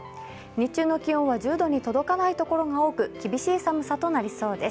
日中の気温は１０度に届かない所が多く厳しい寒さとなりそうです。